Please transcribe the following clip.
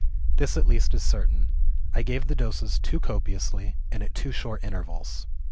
This at least is certain, I gave the doses too copiously and at too short intervals.